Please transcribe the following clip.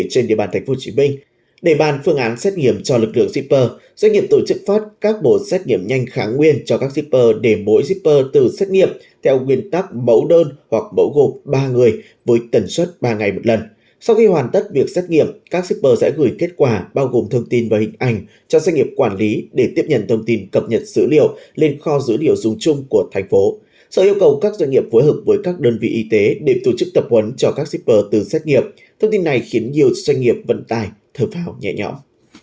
các doanh nghiệp phối hợp với các đơn vị y tế để tổ chức tập huấn cho các shipper từng xét nghiệp thông tin này khiến nhiều doanh nghiệp vận tài thở vào nhẹ nhõm